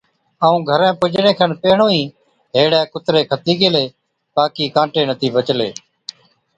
ائُون گھرين پُجڻي کن پيهڻُون ئِي هيڙَي ڪُتري کتِي گيلي، باقِي ڪانٽي نَتِي بَچلي۔